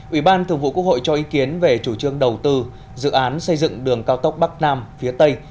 ủy ban thường vụ quốc hội cho ý kiến về chủ trương đầu tư dự án xây dựng đường cao tốc bắc nam phía tây